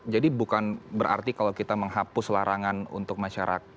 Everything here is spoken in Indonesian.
jadi bukan berarti kalau kita menghapus larangan untuk masyarakat